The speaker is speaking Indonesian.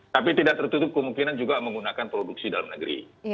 tapi tidak tertutup kemungkinan juga menggunakan produksi dalam negeri